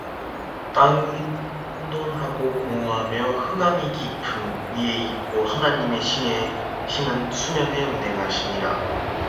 땅이 혼돈하고 공허하며 흑암이 깊음 위에 있고 하나님의 신은 수면에 운행하시니라